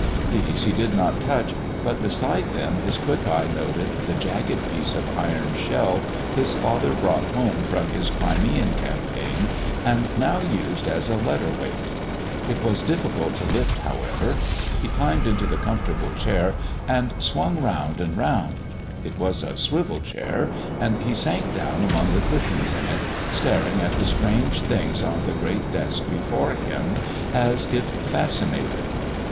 These he did not touch; but beside them his quick eye noted the jagged piece of iron shell his father brought home from his Crimean campaign and now used as a letter weight. It was difficult to lift, however. He climbed into the comfortable chair and swung round and round. It was a swivel chair, and he sank down among the cushions in it, staring at the strange things on the great desk before him, as if fascinated.